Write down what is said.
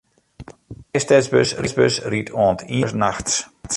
De nije stedsbus rydt oant iene oere nachts.